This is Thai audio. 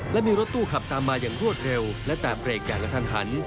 และมีรถตู้ขับตามมาอย่างรวดเร็วและแต่เปรกแดงละทางหัน